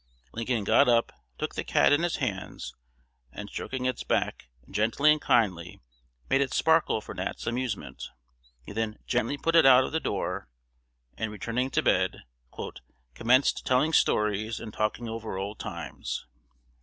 Lincoln got up, took the cat in his hands, and stroking its back "gently and kindly," made it sparkle for Nat's amusement. He then "gently" put it out of the door, and, returning to bed, "commenced telling stories and talking over old times."